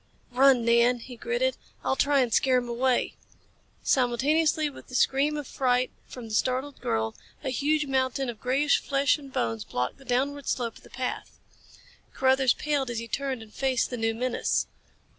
"Run, Nan," he gritted. "I'll try and scare him away." Simultaneously with the scream of fright from the startled girl, a huge mountain of grayish flesh and bones blocked the downward slope of the path. Carruthers paled as he turned and faced the new menace.